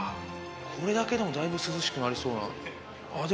これだけでもだいぶ涼しくなりそうな。